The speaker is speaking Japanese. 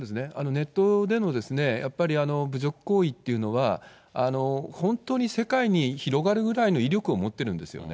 ネットでのやっぱり侮辱行為っていうのは、本当に世界に広がるぐらいの威力を持っているんですよね。